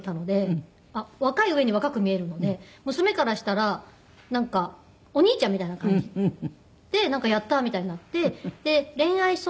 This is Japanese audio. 若い上に若く見えるので娘からしたらなんかお兄ちゃんみたいな感じ。でやったーみたいになって恋愛相談みたいな。